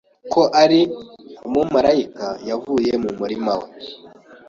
ko ari umumarayika yavuye mu murima we